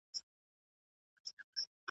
ښځه سوه په خوشالي کورته روانه .